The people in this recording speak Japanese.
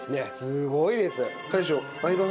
すごいです。